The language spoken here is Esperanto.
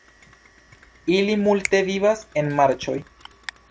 Ili multe vivas en marĉoj.